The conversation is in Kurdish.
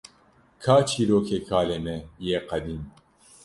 Ka çîrokê kalê me yê qedîm?